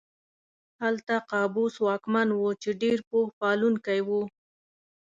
هلته قابوس واکمن و چې ډېر پوه پالونکی و.